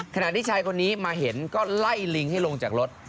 ขณะที่ชายคนนี้มาเห็นก็ไล่ลิงให้ลงจากรถ